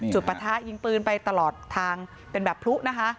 จุดประทะยิงปืนไปตลอดทางเป็นแบบพลุ